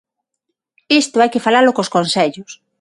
Isto hai que falalo cos concellos.